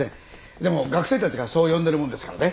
でも学生たちがそう呼んでるもんですからね。